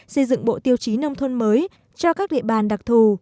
xây dựng bộ tiêu chí nông thôn mới cho các địa bàn đặc thù